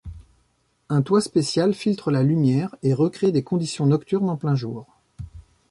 Un toit spécial filtre la lumière et recrée des conditions nocturnes en plein jour.